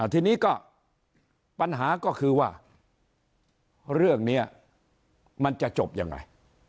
ทีนี้ก็ปัญหาก็คือว่าเรื่องนี้มันจะจบยังไง